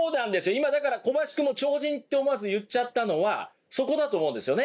今だから小林くんも超人って思わず言っちゃったのはそこだと思うんですよね。